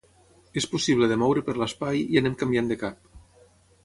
És possible de moure per l'espai i anem canviant de cap.